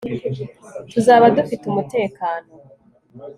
tuzaba dufite umutekano